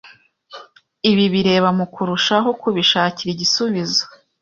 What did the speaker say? ibi bireba mu kurushaho kubishakira igisubizo